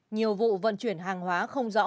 nhiều vụ vận chuyển hàng hóa không rõ